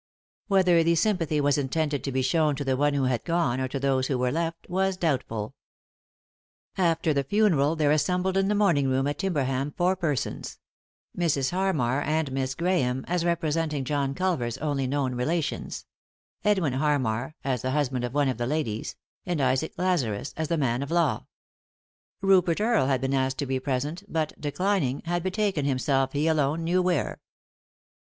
Whether the sympathy was intended to be shown to the one who had gone, or to those who were left, was doubtful. 40 3i 9 iii^d by Google THE INTERRUPTED KISS After the funeral there assembled in the morning room at Timberham four persons : Mrs. Harmar and Miss Grahame, as representing John Culver's only known relations ; Edwin Harmar, as the husband of one of the ladies ; and Isaac Lazarus, as the man of law. Rupert Earle had been asked to be present, but, declining, had betaken himself he alone knew where.